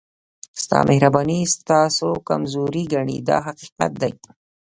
ستا مهرباني ستاسو کمزوري ګڼي دا حقیقت دی.